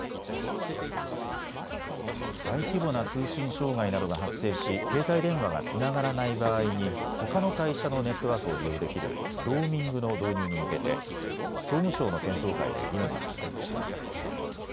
大規模な通信障害などが発生し携帯電話がつながらない場合にほかの会社のネットワークを利用できるローミングの導入に向けて総務省の検討会で議論が始まりました。